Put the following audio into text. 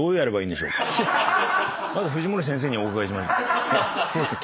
まず藤森先生にお伺いしましょう。